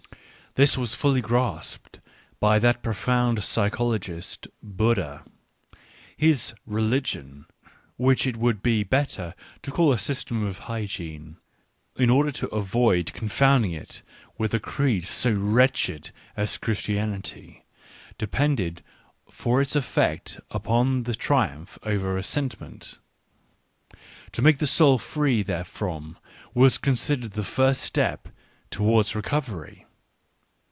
This was fully grasped by that profound physiologist Buddha. His "religion," which it would be better to call a system of hygiene, in order to avoid confounding it with a creed so wretched as Christianity, depended for its effect upon the triumph over resentment : to make the soul free therefrom was considered the first step towards re covery.